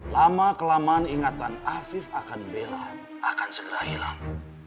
lama kelamaan ingatan apif akan bella akan segera hilang